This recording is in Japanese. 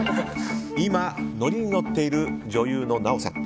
今、乗りに乗っている女優の奈緒さん。